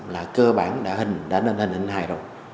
là cơ bản đã hình đã nên hình hình hài rồi